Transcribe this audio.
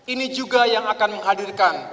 ini juga yang akan menghadirkan